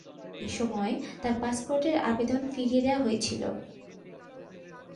এসময় তার পাসপোর্টের আবেদন ফিরিয়ে দেয়া হয়েছিলো।